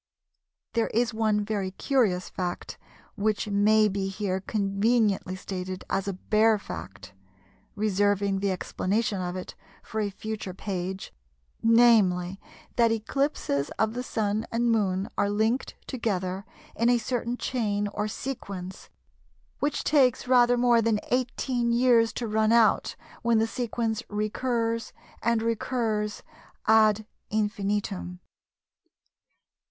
There is one very curious fact which may be here conveniently stated as a bare fact, reserving the explanation of it for a future page, namely, that eclipses of the Sun and Moon are linked together in a certain chain or sequence which takes rather more than 18 years to run out when the sequence recurs and recurs ad infinitum.